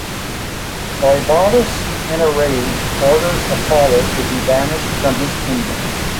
Oebalus, in a rage, orders Apollo to be banished from his kingdom.